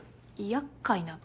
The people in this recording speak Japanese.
厄介なの？